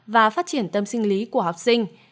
và phát triển tâm sinh lý của học sinh